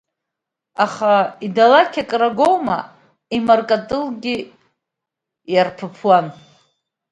Аха идалақь акрагоума, имыркатылгьы иарԥыԥуан.